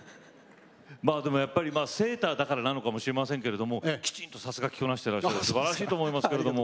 やっぱりセーターだからなのかもしれませんけれどもきちんとさすが着こなしてらっしゃってすばらしいと思いますけれども。